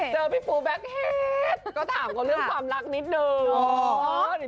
เจอพี่ปูแบ็คเฮดก็ถามเขาเรื่องความรักนิดนึง